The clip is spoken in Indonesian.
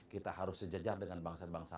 kita harus sejejar dengan bangsa bangsa